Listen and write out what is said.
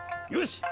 よし！